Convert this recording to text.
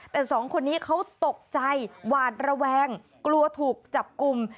แต่สองคนนี้เขาตกใจหวาดระแวงกลัวถูกจับกลุ่ม